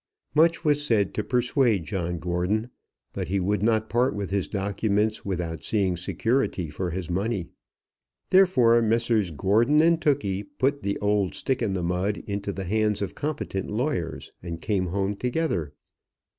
Much was said to persuade John Gordon; but he would not part with his documents without seeing security for his money. Therefore Messrs. Gordon and Tookey put the old Stick in the Mud into the hands of competent lawyers, and came home together.